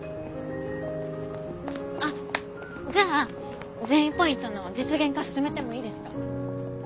あじゃあ善意ポイントの実現化進めてもいいですか？